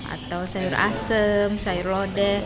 atau sayur asem sayur lodeh